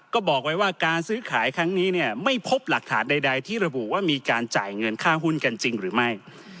ก็บอกไว้ว่าการซื้อขายครั้งนี้เนี่ยไม่พบหลักฐานใดที่ระบุว่ามีการจ่ายเงินค่าหุ้นกันจริงหรือไม่